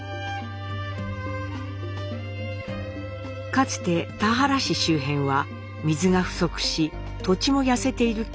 かつて田原市周辺は水が不足し土地も痩せている厳しい場所でした。